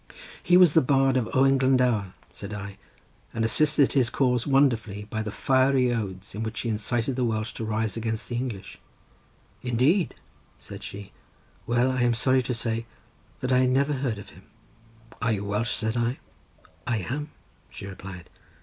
"He was the bard of Owen Glendower," said I, "and assisted his cause wonderfully by the fiery odes, in which he incited the Welsh to rise against the English." "Indeed!" said she; "well, I am sorry to say that I never heard of him." "Are you Welsh?" said I. "I am," she replied.